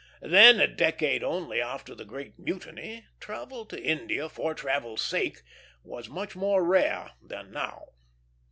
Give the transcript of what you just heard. Then, a decade only after the great mutiny, travel to India for travel's sake was much more rare than now.